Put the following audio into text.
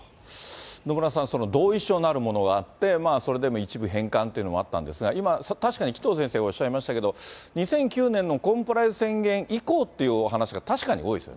野村さん、同意書なるものがあって、それでも一部返還っていうのがあったんですが、今、確かに紀藤先生がおっしゃいましたけど、２００９年のコンプライアンス宣言以降ってお話が確かに多いです